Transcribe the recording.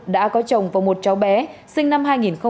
đã có chồng và một cháu bé sinh năm hai nghìn một mươi